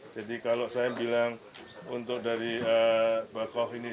jadi kalau saya bilang untuk dari bakauhuni